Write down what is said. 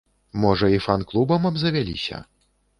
Можа, і фан-клубам абзавяліся?